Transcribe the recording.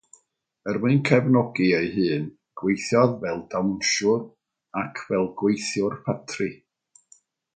Er mwyn cefnogi ei hun, gweithiodd fel dawnsiwr ac fel gweithiwr ffatri.